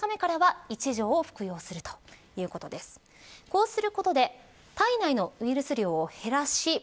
こうすることで体内のウイルス量を減らし